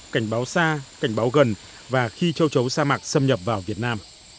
cảnh báo xa cảnh báo gần và khi châu chấu sa mạc xâm nhập vào việt nam